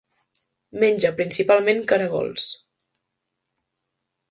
Menja principalment caragols.